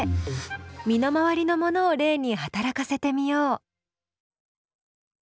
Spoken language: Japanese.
身の回りのものを例に働かせてみよう。